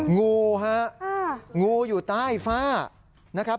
งูฮะงูอยู่ใต้ฝ้า